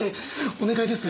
お願いです